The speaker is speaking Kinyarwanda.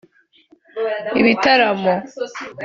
ibitaramo